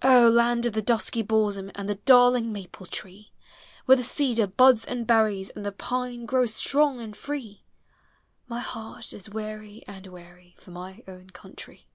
Oh, land of the dusky balsam, And the darling maple tree, THE 'HOME. Where the cedar buds and berries, And the pine grows strong and free ! My heart is weary and weary For my own country.